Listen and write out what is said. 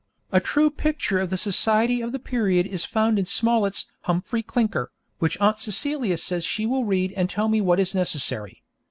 A true picture of the society of the period is found in Smollett's 'Humphry Clinker', which Aunt Celia says she will read and tell me what is necessary.